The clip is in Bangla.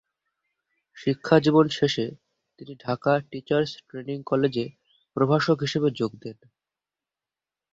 শিক্ষাজীবন শেষে তিনি ঢাকা টিচার্স ট্রেনিং কলেজে প্রভাষক হিসেবে যোগ দেন।